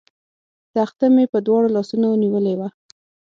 تخته مې په دواړو لاسونو نیولې وه.